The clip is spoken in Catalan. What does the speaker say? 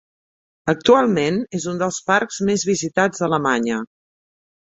Actualment és un dels parcs més visitats d'Alemanya.